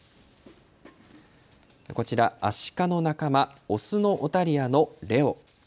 こちらアシカの仲間、オスのオタリアのレオ。